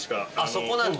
そこなんだ。